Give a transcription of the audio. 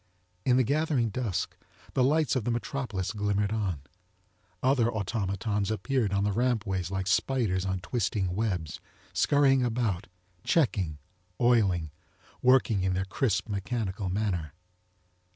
In the gathering dusk the lites of the metropolis glimmered on. Other automatons appeared on the rampways like spiders on twisting webs, scurrying about, checking, oiling, working in their crisp mechanical manner.